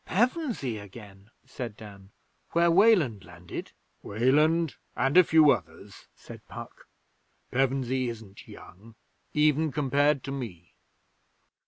'Pevensey again!' said Dan. 'Where Weland landed?' 'Weland and a few others,' said Puck. 'Pevensey isn't young even compared to me!'